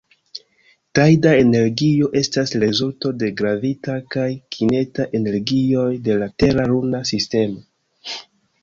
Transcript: Tajda energio estas rezulto de gravita kaj kineta energioj de la Tera-Luna sistemo.